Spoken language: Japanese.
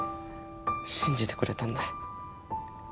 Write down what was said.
信じてくれたんだ。